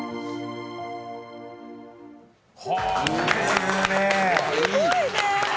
すごいね。